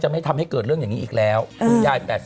ไม่ทำให้เกิดเรื่องอย่างนี้อีกแล้วคุณยาย๘๐